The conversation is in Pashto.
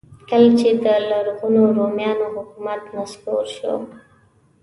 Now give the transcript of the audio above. کله چې د لرغونو رومیانو حکومت نسکور شو.